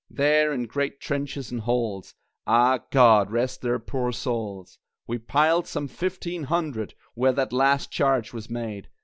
There, in great trenches and holes (Ah, God rest their poor souls!), We piled some fifteen hundred, Where that last charge was made!